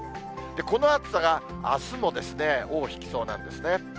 この暑さがあすも尾を引きそうなんですね。